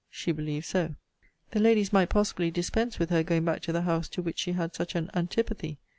She believed so. The ladies might, possibly, dispense with her going back to the house to which she had such an antipathy.